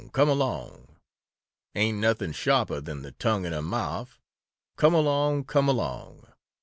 Come along! Ain't nothin' sharper than the tongue in her mouf Come along! Come along!